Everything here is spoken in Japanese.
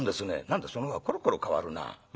「何だそのほうはコロコロ変わるなあ。